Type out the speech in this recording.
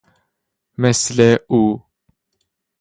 مثل او